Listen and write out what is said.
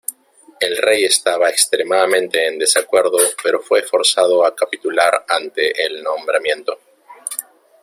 El rey estaba extremadamente en desacuerdo pero fue forzado a capitular ante el nombramiento.